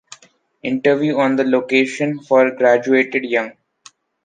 Interview on the location for graduated young